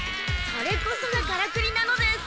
それこそがカラクリなのです。